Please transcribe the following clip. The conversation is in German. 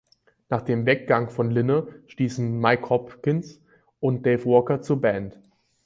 Nach dem Weggang von Lynne stießen Mike Hopkins und Dave Walker zur Band.